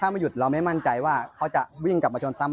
ไม่หยุดเราไม่มั่นใจว่าเขาจะวิ่งกลับมาชนซ้ำ